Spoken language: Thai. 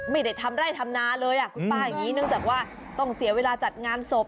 ไม่ได้ทำไร่ทำนาเลยคุณป้าอย่างนี้เนื่องจากว่าต้องเสียเวลาจัดงานศพ